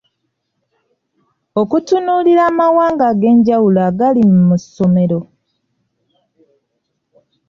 Okutunuulira amawanga ag’enjawulo agali mu ssomero.